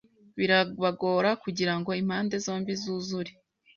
Birabagora kugirango impande zombi zuzure.